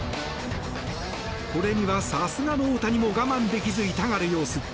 これには、さすがの大谷も我慢できず痛がる様子。